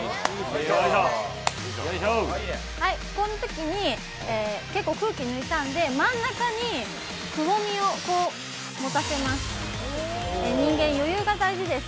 このときに、結構空気を抜いたので真ん中にくぼみを持たせます、人間余裕が大事です。